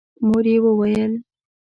مور يې وويل: